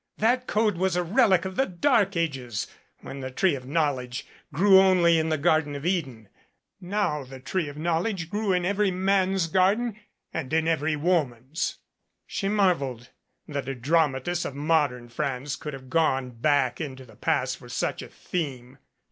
That code was a relic of the dark ages when the Tree of Knowledge grew only in the Gar den of Eden. Now the Tree of Knowledge grew in every man's garden and in every woman's. She marveled that a dramatist of modern France could have gone back into the past for such a theme.